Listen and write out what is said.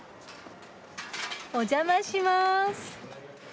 お邪魔します。